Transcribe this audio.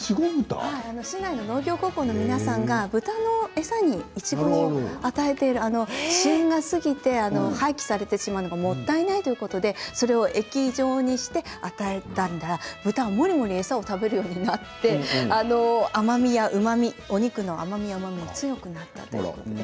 市内の農業高校の皆さんが豚の餌にいちごを与えている旬が過ぎて廃棄されてしまうのがもったいないということでそれを液状にして与えたら豚がモリモリと餌を食べるようになってお肉の甘みやうまみが強くなったということです。